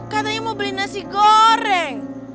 katanya mau beli nasi goreng